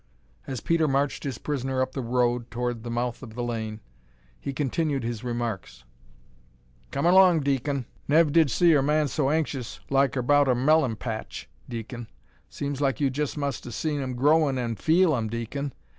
As Peter marched his prisoner up the road towards the mouth of the lane, he continued his remarks: "Come erlong, deacon. Nev' see er man so anxious like erbout er mellum paitch, deacon. Seem like you jes must see'em er growin' an' feel 'em, deacon.